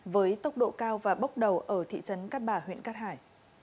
với tốc độ cao và bốc đầu ở thị trấn cát bà huyện cát hải